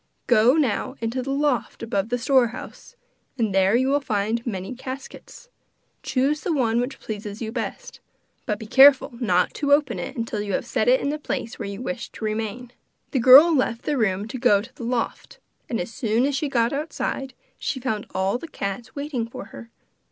Go now into the loft above the store house and there you will find many caskets. Choose the one which pleases you best, but be careful not to open it till you have set it in the place where you wish it to remain.' The girl left the room to go to the loft, and as soon as she got outside, she found all the cats waiting for her.